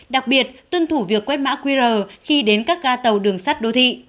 đặc biệt tuân thủ việc quét mã qr khi đến các ga tàu đường sắt đô thị